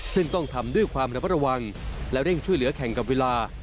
ซึ่งต้องทำด้วยความระมัดระวังและเร่งช่วยเหลือแข่งกับเวลา